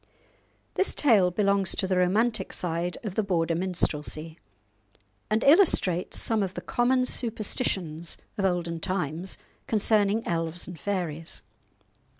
This tale belongs to the romantic side of the Border minstrelsy, and illustrates some of the common superstitions of olden times concerning elves and fairies.